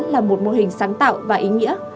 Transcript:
là một mô hình sáng tạo và ý nghĩa